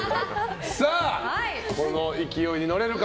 さあ、この勢いに乗れるか。